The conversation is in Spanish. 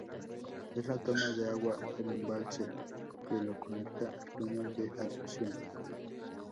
Es la toma de agua del embalse que lo conecta al tunel de aducción.